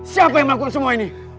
siapa yang mangkuk semua ini